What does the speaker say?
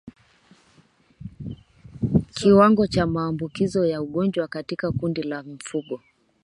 Kiwango cha maambukizi ya ugonjwa katika kundi la mifugo